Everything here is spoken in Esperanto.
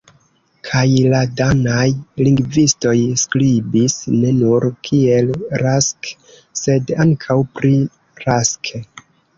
Kaj la danaj lingvistoj skribis ne nur kiel Rask, sed ankaŭ pri Rask.